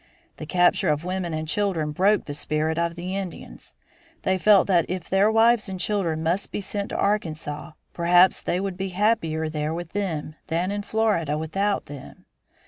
The capture of women and children broke the spirit of the Indians. They felt that if their wives and children must be sent to Arkansas perhaps they would be happier there with them than in Florida without them.